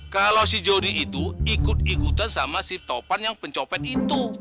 kalau si jody itu ikut ikutan sama si topan yang pencopet itu